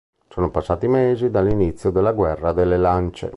Sono passati mesi dall'inizio della Guerra delle Lance.